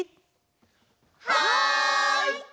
はい！